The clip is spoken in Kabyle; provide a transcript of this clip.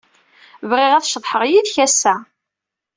Bɣiɣ ad ceḍḥeɣ yid-k ass-a.